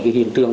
cái hiện trường